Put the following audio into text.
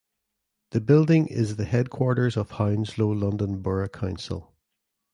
The building is the headquarters of Hounslow London Borough Council.